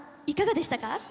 いかがでしたか？